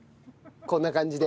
こんな感じで。